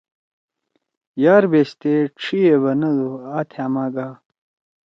یار بیشتے ڇھی ئے بنَدُو: ”آ تھأما گا۔“